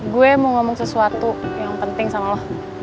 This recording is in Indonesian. gue mau ngomong sesuatu yang penting sama lo